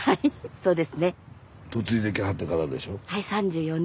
そうです。